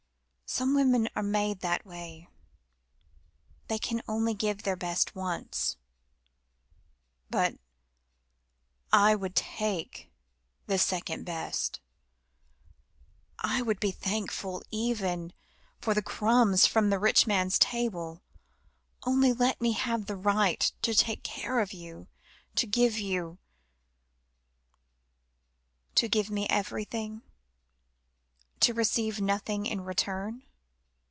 Some women are made that way. They can only give their best once." "But I would take the second best. I would be thankful even for the crumbs from the rich man's table. Only let me have the right to take care of you, to give you " "To give me everything, and to receive nothing in return?